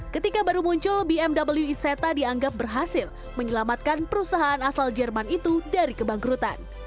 ketika baru muncul bmw iseta dianggap berhasil menyelamatkan perusahaan asal jerman itu dari kebangkrutan